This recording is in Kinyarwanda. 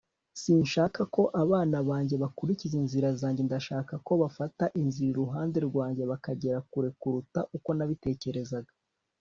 sinshaka ko abana banjye bakurikiza inzira zanjye. ndashaka ko bafata inzira iruhande rwanjye bakagera kure kuruta uko nabitekerezaga